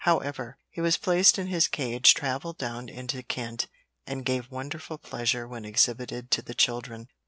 However, he was placed in his cage, travelled down into Kent, and gave wonderful pleasure when exhibited to the children.